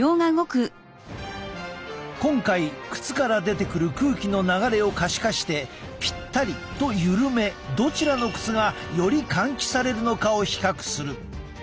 今回靴から出てくる空気の流れを可視化してぴったりとゆるめどちらの靴がより換気されるのかを比較する。